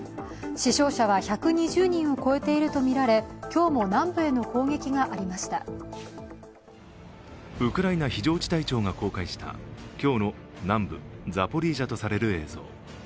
死傷者は１２０人を超えているとみられウクライナ非常事態庁が公開した今日の南部ザポリージャとされる映像。